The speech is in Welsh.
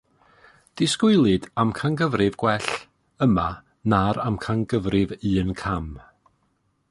Disgwylid amcangyfrif gwell, yma, na'r amcangyfrif un-cam.